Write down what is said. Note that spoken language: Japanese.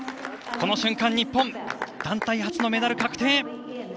この瞬間日本団体初のメダル確定。